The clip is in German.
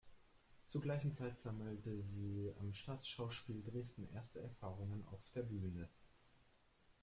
Zur gleichen Zeit sammelte sie am Staatsschauspiel Dresden erste Erfahrungen auf der Bühne.